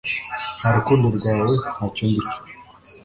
Nta rukundo rwawe, ntacyo ndi cyo.